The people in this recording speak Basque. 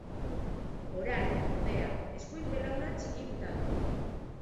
Orain, ordea, eskuin belauna txikituta du.